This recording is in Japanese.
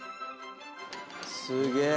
すげえ。